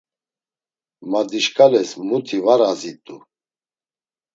Madişkales muti var azit̆u.